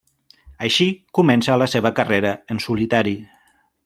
Així comença la seva carrera en solitari.